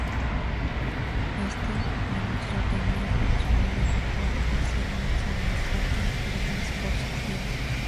Este demostró tener un sonido mejor y ser mucho más útil para el dispositivo.